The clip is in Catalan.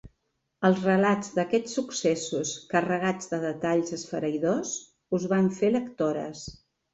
Els relats d'aquests successos, carregats de detalls esfereïdors, us van fer lectores.